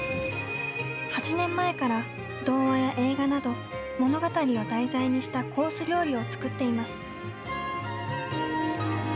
８年前から童話や映画など物語を題材にしたコース料理を作っています。